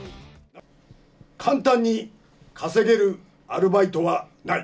簡単に稼げるアルバイトはない。